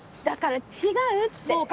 だから違うって。